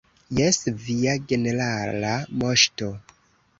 Jes, Via Generala Moŝto.